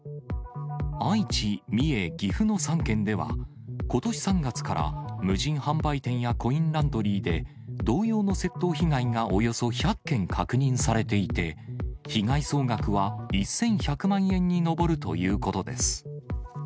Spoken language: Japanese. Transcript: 愛知、三重、岐阜の３県では、ことし３月から、無人販売店やコインランドリーで、同様の窃盗被害がおよそ１００件確認されていて、被害総額は１１００万円に上るということです。